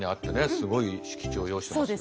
すごい敷地を擁してます。